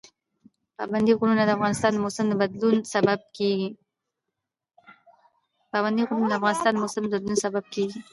پابندی غرونه د افغانستان د موسم د بدلون سبب کېږي.